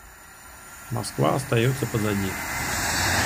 Москва остается позади.